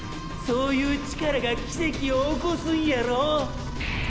そういう力が奇跡を起こすんやろ？